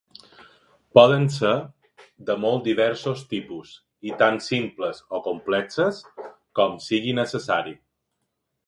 Poden ser de molt diversos tipus i tan simples o complexes com sigui necessari.